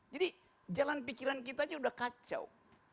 jadi jalan pikiran kita aja udah kacau